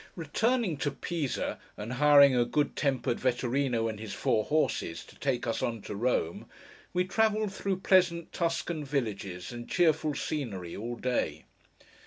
Returning to Pisa, and hiring a good tempered Vetturíno, and his four horses, to take us on to Rome, we travelled through pleasant Tuscan villages and cheerful scenery all day.